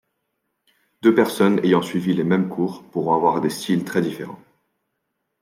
Deux personnes ayant suivi les mêmes cours, pourront avoir des styles très différents.